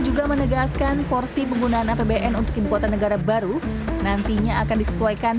juga menegaskan porsi penggunaan apbn untuk ibu kota negara baru nantinya akan disesuaikan